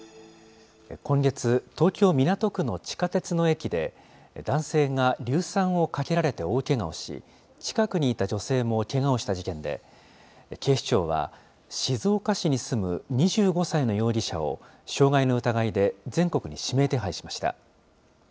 今月、東京・港区の地下鉄の駅で、男性が硫酸をかけられて大けがをし、近くにいた女性もけがをした事件で、警視庁は、静岡市に住む２５歳の容疑者を、傷害の疑いで全国に指名手配しました。